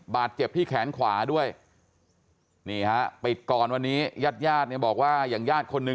บาดเจ็บที่แขนขวาด้วย